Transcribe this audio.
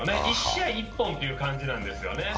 １試合１本という感じなんですよね。